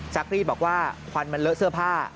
รีดบอกว่าควันมันเลอะเสื้อผ้า